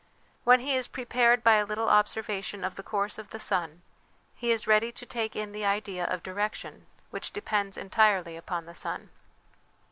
When he is prepared by a little observation of the course of the sun, he is ready to take in the idea of direction, which depends entirely upon the sun.